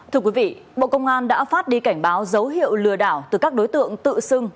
thưa quý vị bộ công an đã phát đi cảnh báo dấu hiệu lừa đảo từ các đối tượng tự xưng